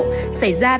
xảy ra bất động sản